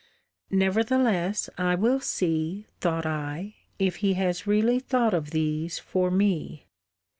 Nevertheless, I will see, thought I, if he has really thought of these for me.